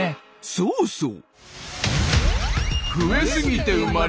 そうそう！